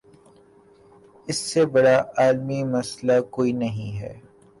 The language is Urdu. اس سے بڑا عالمی مسئلہ کوئی نہیں۔